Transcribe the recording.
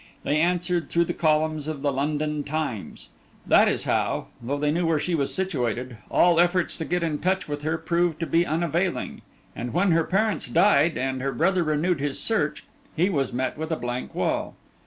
They answered through the columns of the London Times. That is how, though they knew where she was situated, all efforts to get in touch with her proved to be unavailing; and when her parents died, and her brother renewed his search, he was met with a blank wall.